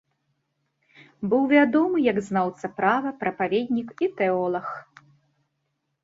Быў вядомы як знаўца права, прапаведнік і тэолаг.